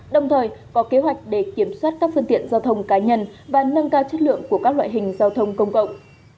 đồng thời có kế hoạch để kiểm soát các phương tiện giao thông cá nhân và nâng cao chất lượng của các loại hình giao thông công cộng